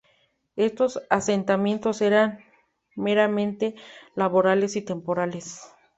Estos asentamientos eran meramente laborales y temporales.